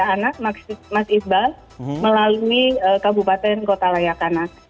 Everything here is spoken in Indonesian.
jadi kita melakukan pelajaran keamanan anak anak mbak isbah melalui kabupaten kota layak anak